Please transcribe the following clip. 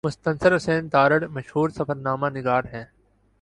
مستنصر حسین تارڑ مشہور سفرنامہ نگار ہیں۔